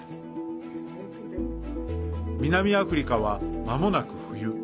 南アフリカは、まもなく冬。